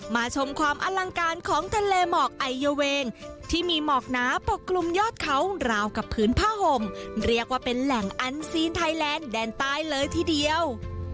ชมความอลังการของทะเลหมอกไอเยาเวงที่มีหมอกหนาปกคลุมยอดเขาราวกับพื้นผ้าห่มเรียกว่าเป็นแหล่งอันซีนไทยแลนด์แดนใต้เลยทีเดียว